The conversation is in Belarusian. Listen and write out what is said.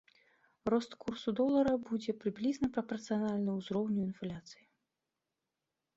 Рост курсу долара будзе прыблізна прапарцыянальны ўзроўню інфляцыі.